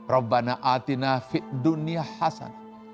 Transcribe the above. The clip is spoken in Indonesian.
rabbana atina fi dunya hasanah